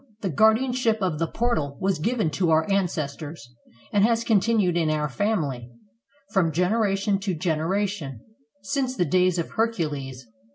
"The guardianship of the portal was given to our ancestors, and has continued in our family, from gener ation to generation, since the days of Hercules.